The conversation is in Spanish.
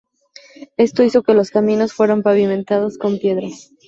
Esto hizo que los caminos fueran pavimentados con piedras.